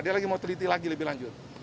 dia lagi mau teliti lagi lebih lanjut